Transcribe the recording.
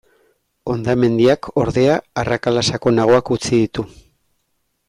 Hondamendiak, ordea, arrakala sakonagoak utzi ditu.